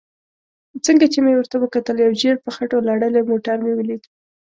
څنګه چې مې ورته وکتل یو ژېړ په خټو لړلی موټر مې ولید.